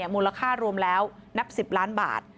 มูลค่ารวมแล้วนับ๑๐ล้านบาท